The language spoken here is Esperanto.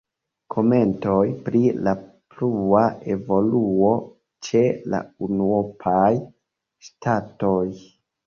Komentoj pri la plua evoluo ĉe la unuopaj ŝtatoj.